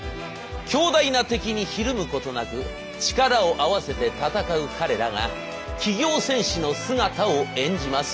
強大な敵にひるむことなく力を合わせて戦う彼らが企業戦士の姿を演じます。